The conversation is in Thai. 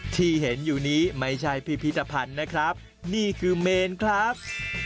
ที่เห็นอยู่นี้ไม่ใช่พิพิธภัณฑ์นะครับนี่คือเมนครับ